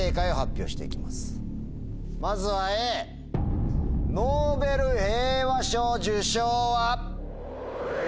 まずはＡ「ノーベル平和賞受賞」は？